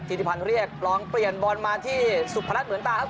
ธิติพันธ์เรียกลองเปลี่ยนบอลมาที่สุพรัชเหมือนตาครับ